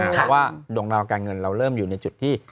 เพราะว่าดวงดาวการเงินเราเริ่มอยู่ในจุดที่